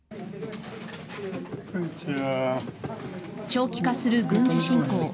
長期化する軍事侵攻。